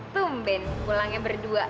tumben pulangnya berdua